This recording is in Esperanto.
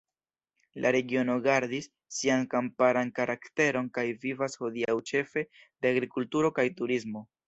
La regiono gardis sian kamparan karakteron kaj vivas hodiaŭ ĉefe de agrikulturo kaj turismo.